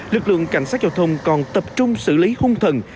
lực lượng cảnh sát giao thông còn tập trung xử lý hung thần